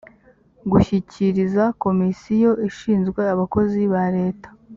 gushyikiriza komisiyo ishinzwe abakozi ba leta